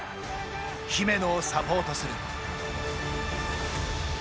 姫野をサポートする。